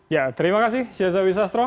ya terima kasih sia zawisastro